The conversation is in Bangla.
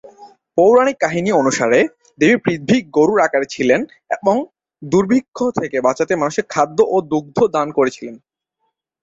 পৌরাণিক কাহিনী অনুসারে, দেবী পৃথ্বী গরুর আকারে ছিলেন, এবং দুর্ভিক্ষ থেকে বাঁচাতে মানুষকে খাদ্য ও দুগ্ধ দান করেছিলেন।